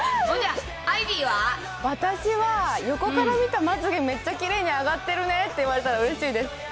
ほんじゃ、私は、横から見たまつげ、めっちゃきれいに上がってるねって言われたらうれしいです。